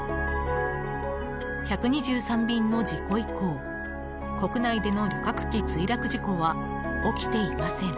１２３便の事故以降、国内での旅客機墜落事故は起きていません。